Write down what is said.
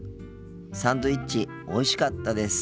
サンドイッチおいしかったです。